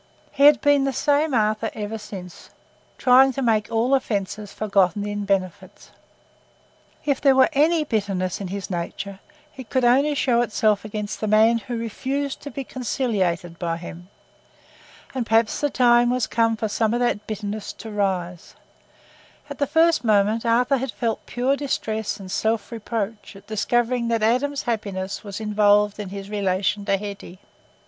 He had been the same Arthur ever since, trying to make all offences forgotten in benefits. If there were any bitterness in his nature, it could only show itself against the man who refused to be conciliated by him. And perhaps the time was come for some of that bitterness to rise. At the first moment, Arthur had felt pure distress and self reproach at discovering that Adam's happiness was involved in his relation to Hetty.